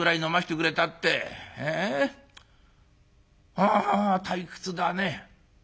あ退屈だね。